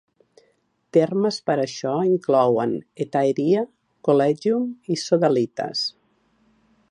Termes per això inclouen "hetaeria", "collegium" i "sodalitas".